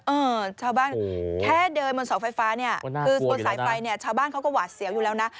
เออชาวบ้านแค่เดินบนเสาไฟฟ้าเนี่ยคือบนสายไฟเนี่ยชาวบ้านเขาก็หวาดเสียวอยู่แล้วนะ